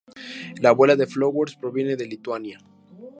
La abuela de Flowers proviene de Lituania.